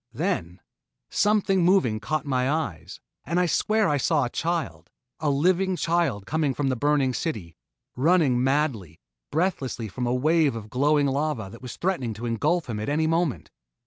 Then something moving caught my eyes, and I swear I saw a child a living child coming from the burning city running madly, breathlessly from a wave of glowing lava that threatened to engulf him at any moment.